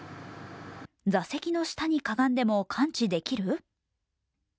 座席の下にかがんでも感知できる？